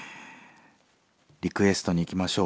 リクエストにいきましょう。